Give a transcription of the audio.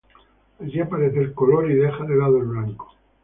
Ahí aparece el color y deja de lado el blanco.